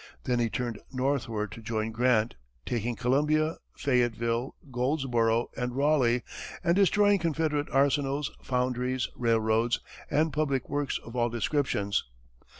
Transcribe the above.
Then he turned northward to join Grant, taking Columbia, Fayetteville, Goldsboro and Raleigh, and destroying Confederate arsenals, foundries, railroads and public works of all descriptions.